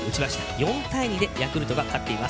４対２でヤクルトが勝っています。